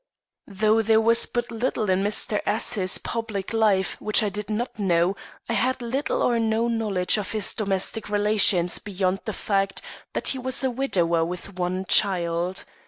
Though there was but little in Mr. S 's public life which I did not know, I had little or no knowledge of his domestic relations beyond the fact that he was a widower with one child.